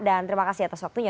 dan terima kasih atas waktunya